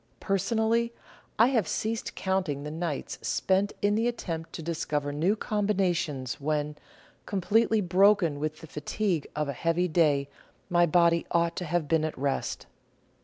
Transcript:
Personally, I have ceased counting the nights spent in the attempt to discover new combinations, when, completely broken with the fatigue of a heavy day, my body ought to have been at rest.